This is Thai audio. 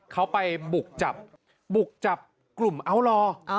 เขาไปบุกจับกลุ่มอัลลอร์